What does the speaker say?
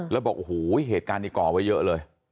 แล้วบอกโอ้โหเหตุการณ์นี้ก่อไว้เยอะเลย